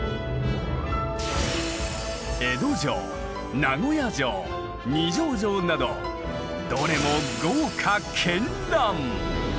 江戸城名古屋城二条城などどれも豪華けんらん。